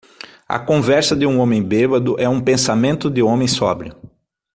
A conversa de um homem bêbado é um pensamento de homem sóbrio.